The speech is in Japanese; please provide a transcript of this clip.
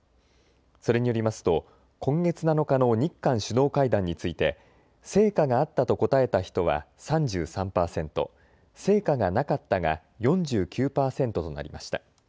それによりますと今月７日の日韓首脳会談について成果があったと答えた人は３３％、成果がなかったが４９％となりました。